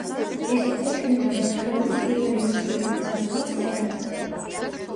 ეს იყო ჯგუფის ოთხეულის პირველი ერთობლივი გამოსვლა სცენაზე.